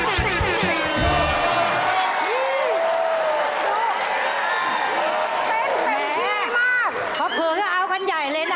รปเขาก็เอาข้างใหญ่เลยนะ